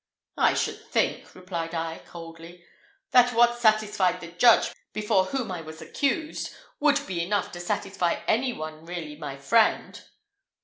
"I should think," replied I, coldly, "that what satisfied the judge before whom I was accused, would be enough to satisfy any one really my friend."